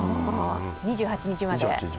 ２８日まで。